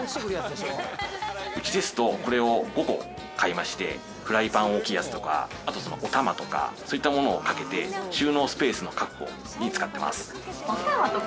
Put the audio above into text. うちですとこれを５個買いましてフライパン大きいやつとかあとおたまとかそういったものをかけて収納スペースの確保に使ってます。